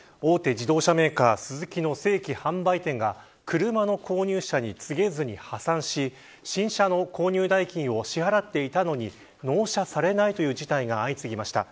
自動車メーカースズキの正規販売店が車の購入者に告げずに破産し新車の購入代金を支払っていたのに納車されないという事態が相次ぎました。